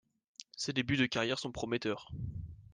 Ses débuts de carrière sont prometteurs.